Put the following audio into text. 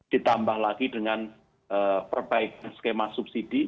ditambah lagi dengan perbaikan skema subsidi